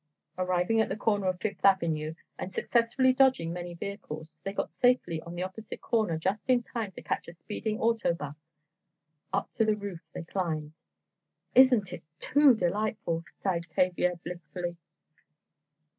Arriving at the corner of Fifth Avenue, and successfully dodging many vehicles, they got safely on the opposite corner just in time to catch a speeding auto 'bus. Up to the roof they climbed. "Isn't it too delightful!" sighed Tavia, blissfully.